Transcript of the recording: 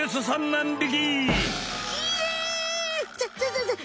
３万匹！